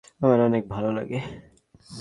আমার অনেক ভালো লাগে।